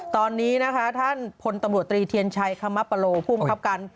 ตอนนี้ท่านพลตำรวจตรีเทียนชัยคมาภัโรพุ่งครับการ